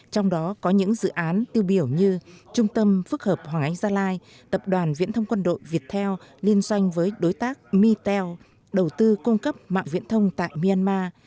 trong đó có những dự án tiêu biểu như trung tâm phức hợp hoàng anh gia lai tập đoàn viễn thông quân đội việt theo liên doanh với đối tác mitel đầu tư cung cấp mạng viễn thông tại myanmar